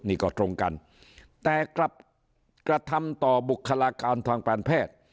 นี่ก็ตรงกันแต่กลับกระทำต่อบุคลากรทางการแพทย์